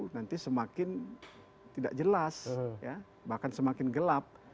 nanti semakin tidak jelas bahkan semakin gelap